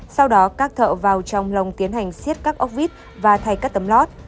sau đó các thợ vào trong lồng tiến hành xiết các ốc vít và thay các tấm lót